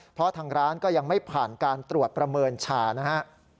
เพราะทางร้านก็ยังไม่ผ่านการตรวจประเมินชานะฮะ